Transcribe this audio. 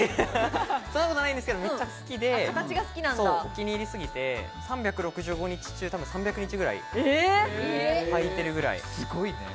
そんなことないんですけど、めっちゃ好きで、お気に入りすぎて、３６５日中、たぶん３００日ぐらい、はいてるくらい。